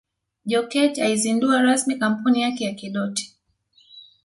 Jokate aizundua rasmi kampuni yake ya Kidoti